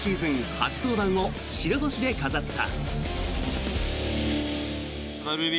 初登板を白星で飾った。